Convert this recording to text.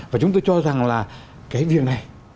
và chúng tôi cho rằng là cái việc này